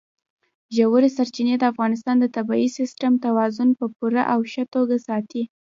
ژورې سرچینې د افغانستان د طبعي سیسټم توازن په پوره او ښه توګه ساتي.